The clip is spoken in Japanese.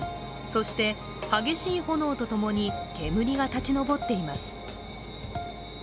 そして激しい炎と共に煙が立ち上っています。